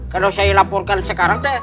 kalau saya laporkan sekarang